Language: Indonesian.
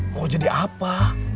mau jadi apa